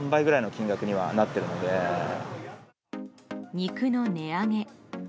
肉の値上げ。